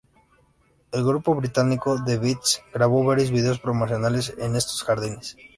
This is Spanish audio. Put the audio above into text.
El grupo Británico "The Beatles" grabó varios videos promocionales en estos jardines.